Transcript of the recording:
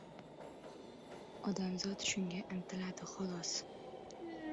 Odamzod shunga intiladi, xolos.